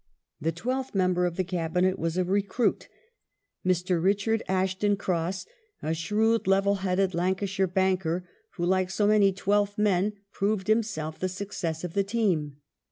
The twelfth member of the Cabinet was a recruit, Mr. Richard Assheton Cross, a shrewd, level headed Lancashire banker who, like so many twelfth men, proved himself the success of the team.